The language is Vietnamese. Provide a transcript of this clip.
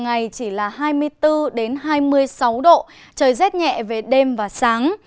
ngày chỉ là hai mươi bốn hai mươi sáu độ trời rét nhẹ về đêm và sáng